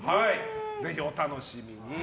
ぜひお楽しみに。